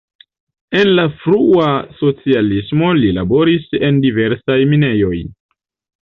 En la frua socialismo li laboris en diversaj minejoj.